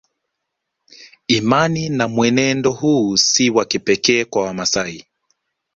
Imani na mwenendo huu si wa kipekee kwa Wamasai